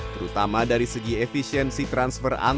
terutama dari segi efisien dan juga dari segi kesehatan